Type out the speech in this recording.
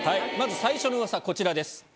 まず最初のウワサこちらです。